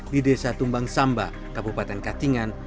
di desa tumbang samba kabupaten katingan